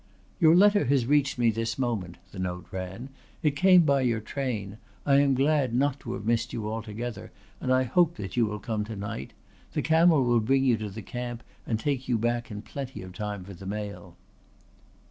"Your letter has reached me this moment," the note ran. "It came by your train. I am glad not to have missed you altogether and I hope that you will come to night. The camel will bring you to the camp and take you back in plenty of time for the mail."